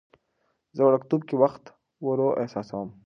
زه وړوکتوب کې وخت ورو احساسوم.